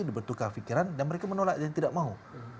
dibentukkan pikiran dan mereka menolak dan tidak mau